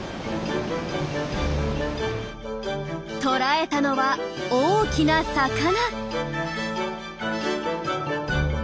捕らえたのは大きな魚。